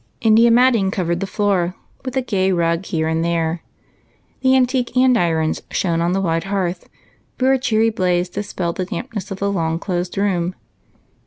India matting covered the floor, with a gay rug here and there ; the antique andirons shone on the wide hearth, where a cheery blaze dispelled the dampness of the long closed room.